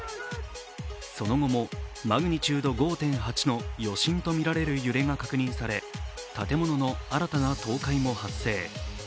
その後もマグニチュード５．８の余震とみられる揺れが確認され建物の新たな倒壊も発生。